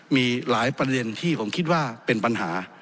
มีหลายประเด็นที่ผมคิดว่าเป็นปัญหา